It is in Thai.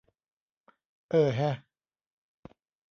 เออแฮะ